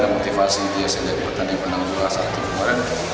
dan motivasi dia sebagai pertanding penanggung jualan saat itu kemarin